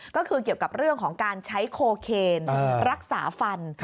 ก็คือเกี่ยวกับเรื่องของการใช้โคเคนรักษาฟัน